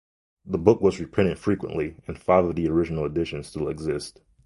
The book was reprinted frequently and five of the original editions still exist.